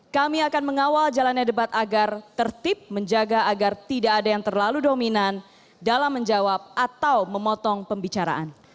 kami akan mengawal jalannya debat agar tertib menjaga agar tidak ada yang terlalu dominan dalam menjawab atau memotong pembicaraan